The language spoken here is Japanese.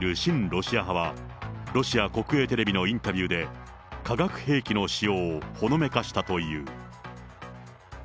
ロシア派は、ロシア国営テレビのインタビューで、化学兵器の使用をほのめかしたという。